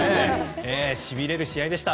しびれる試合でした。